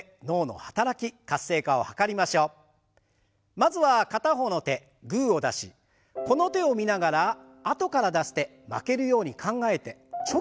まずは片方の手グーを出しこの手を見ながらあとから出す手負けるように考えてチョキを出します。